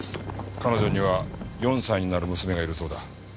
彼女には４歳になる娘がいるそうだ。